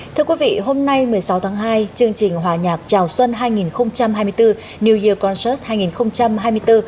thưa quý vị hôm nay một mươi sáu tháng hai chương trình hòa nhạc chào xuân hai nghìn hai mươi bốn new year concert hai nghìn hai mươi bốn